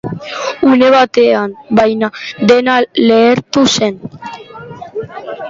Une batean, baina, dena lehertu zen.